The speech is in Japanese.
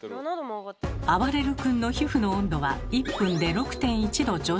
あばれる君の皮膚の温度は１分で６．１℃上昇。